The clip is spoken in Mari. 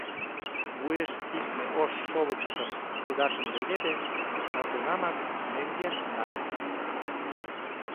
Вуеш пидме ош шовычшым кудашын леведе, но тунамак мӧҥгеш нале.